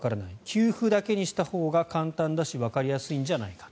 給付だけにしたほうが簡単だしわかりやすいんじゃないか。